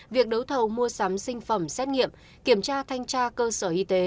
việc đấu thầu mua sắm sinh phẩm xét nghiệm kiểm tra thanh tra cơ sở y tế